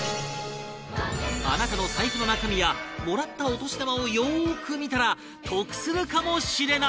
あなたの財布の中身やもらったお年玉をよく見たら得するかもしれない！？